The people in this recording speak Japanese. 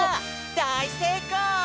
だいせいこう！